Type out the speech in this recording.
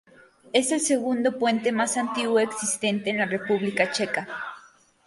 Es el segundo puente más antiguo existente en la República Checa.